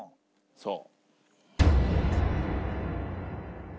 そう。